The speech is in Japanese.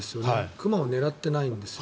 熊を狙ってないんですよ。